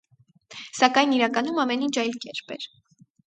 Սակայն իրականում ամեն ինչ այլ կերպ էր։